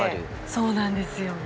そうなんですよ